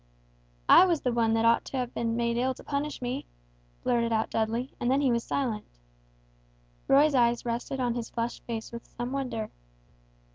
"I was the one that ought to have been made ill to punish me," blurted out Dudley, and then he was silent. Roy's eyes rested on his flushed face with some wonder.